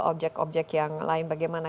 objek objek yang lain bagaimana